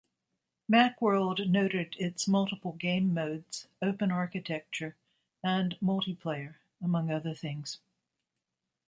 Macworld noted its multiple game modes, open architecture, and multiplayer, among other things.